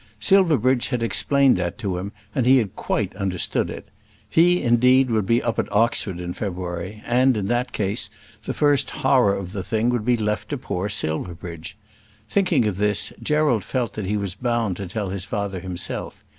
Silverbridge had explained that to him, and he had quite understood it. He, indeed, would be up at Oxford in February, and, in that case, the first horror of the thing would be left to poor Silverbridge! Thinking of this, Gerald felt that he was bound to tell his father himself.